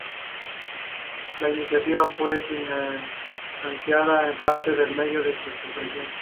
La iniciativa fue financiada en parte por medio de una suscripción.